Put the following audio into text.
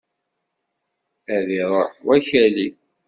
Ad iruḥ wakali!